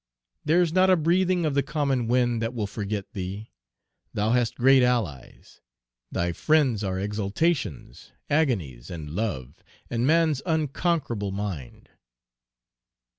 There's not a breathing of the common wind That will forget thee: thou hast great allies: Thy friends are exultations, agonies, And love, and man's unconquerable mind."